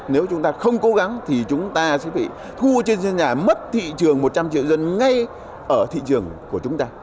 nếu chúng ta không cố gắng thì chúng ta sẽ bị thu trên nhà mất thị trường một trăm linh triệu dân ngay ở thị trường của chúng ta